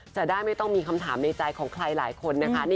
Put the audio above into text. จะได้ไม่ต้องมีคำถามในใจของใครหลายคนนะคะ